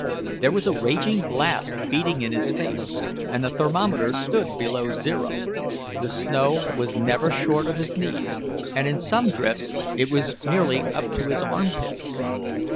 There was a raging blast beating in his face, and the thermometer stood below zero; the snow was never short of his knees, and in some of the drifts it was nearly up to his armpits.